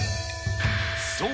そう！